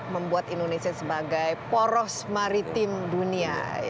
membuat indonesia sebagai poros maritim dunia